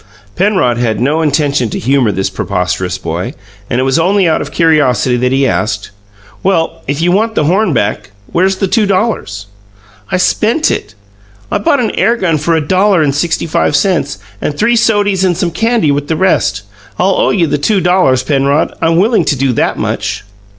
Penrod had no intention to humour this preposterous boy, and it was only out of curiosity that he asked, "Well, if you want the horn back, where's the two dollars?" "I spent it. I bought an air gun for a dollar and sixty five cents, and three sodies and some candy with the rest. I'll owe you the two dollars, Penrod. I'm willing to do that much."